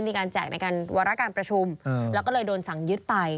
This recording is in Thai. มีการแจกในการวราการประชุมและก็เลยโดนสั่งยืดไป